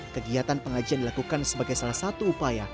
kegiatan pengajian dilakukan sebagai salah satu upaya